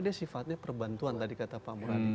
dia sifatnya perbantuan tadi kata pak muradi